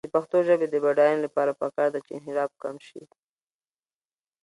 د پښتو ژبې د بډاینې لپاره پکار ده چې انحراف کم شي.